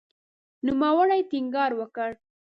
نوموړي ټینګار وکړ